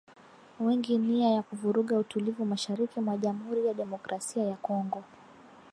wenye nia ya kuvuruga utulivu mashariki mwa Jamuhuri ya demokrasia ya Kongo